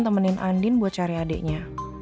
temenin andin buat cari adiknya